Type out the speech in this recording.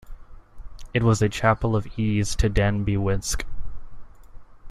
It was a chapel of ease to Danby Wiske.